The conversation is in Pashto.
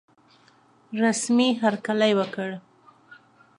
رسمي هرکلی وکړ.